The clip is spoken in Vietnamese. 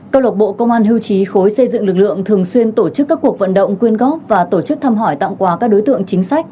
câu lộc bộ công an hưu trí khối xây dựng lực lượng thường xuyên tổ chức các cuộc vận động quyên góp và tổ chức thăm hỏi tặng quà các đối tượng chính sách